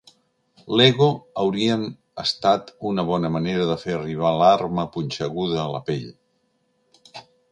L'Ego haurien estat una bona manera de fer arribar l'arma punxeguda a la pell.